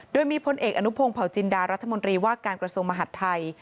โดยมีพลเอกอนุพงศ์เผาจินดารัฐมนตรีว่าการกระทรวงมหัฐไทย